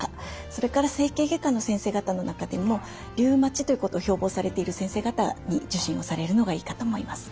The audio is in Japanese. それから整形外科の先生方の中でもリウマチということを標ぼうされている先生方に受診をされるのがいいかと思います。